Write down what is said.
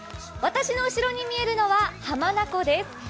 私の後ろに見えるのは浜名湖です。